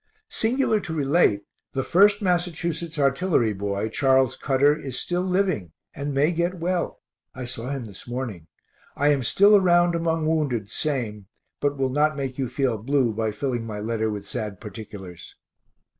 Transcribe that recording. Singular to relate, the 1st Mass. artillery boy, Charles Cutter, is still living, and may get well. I saw him this morning. I am still around among wounded same, but will not make you feel blue by filling my letter with sad particulars.